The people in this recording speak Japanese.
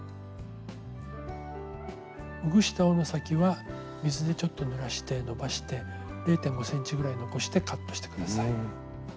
ほぐした緒の先は水でちょっとぬらしてのばして０．５ｃｍぐらい残してカットして下さい。